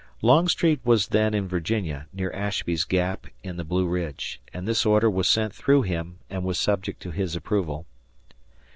Longstreet was then in Virginia, near Ashby's Gap in the Blue Ridge, and this order was sent through him and was subject to his approval.